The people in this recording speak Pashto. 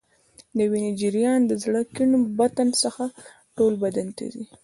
د وینې جریان د زړه کیڼ بطن څخه ټول بدن ته ځي.